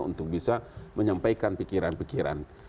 untuk bisa menyampaikan pikiran pikiran